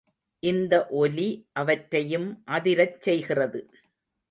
இந்த ஒலி அவற்றையும் அதிரச் செய்கிறது.